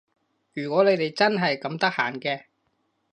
如果你哋真係咁得閒嘅